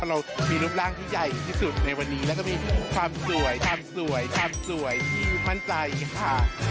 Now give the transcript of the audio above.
เรามีรูปร่างที่ใหญ่ที่สุดในวันนี้แล้วก็มีความสวยความสวยความสวยที่มั่นใจค่ะ